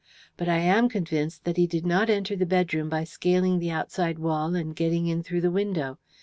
But I am convinced that he did not enter the bedroom by scaling the outside wall and getting in through the window.